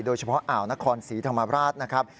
โดยเฉพาะอ่าวนครศรีธรรมราชนะครับ